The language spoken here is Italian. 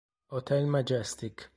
Hotel Majestic